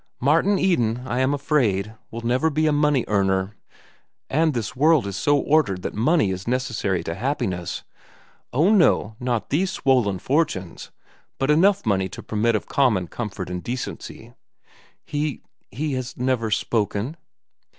Martin Eden, I am afraid, will never be a money earner. And this world is so ordered that money is necessary to happiness—oh, no, not these swollen fortunes, but enough of money to permit of common comfort and decency. He—he has never spoken?"